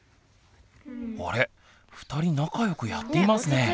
あれ２人仲良くやっていますねぇ。